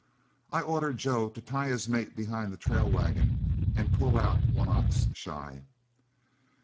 I ordered Joe to tie his mate behind the trail wagon and pull out one ox shy.